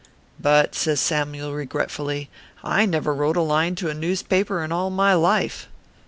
"But," says Samyule, regretfully, " I never wrote a line to a newspaper in all my life."